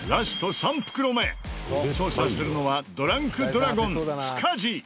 ３袋目捜査するのはドランクドラゴン塚地。